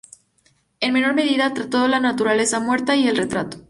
En menor medida, trató la naturaleza muerta y el retrato.